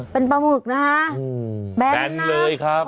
เป็นปลาหมึกนะแบนนักแบนเลยครับ